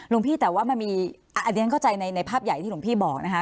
พี่แต่ว่ามันมีอันนี้เข้าใจในภาพใหญ่ที่หลวงพี่บอกนะคะ